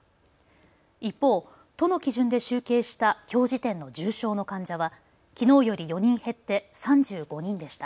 一方、都の基準で集計したきょう時点の重症の患者はきのうより４人減って３５人でした。